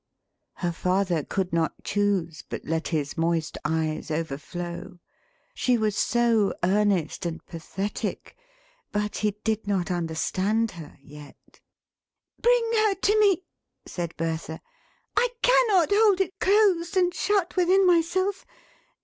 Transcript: Her father could not choose but let his moist eyes overflow; she was so earnest and pathetic. But he did not understand her, yet. "Bring her to me," said Bertha. "I cannot hold it closed and shut within myself.